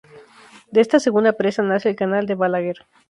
De esta segunda presa nace el Canal de Balaguer.